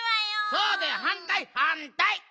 そうだよはんたいはんたい！